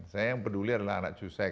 saya yang peduli adalah anak cucu saya